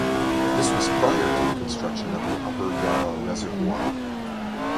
This was prior to the construction of the Upper Yarra Reservoir.